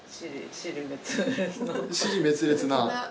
支離滅裂な。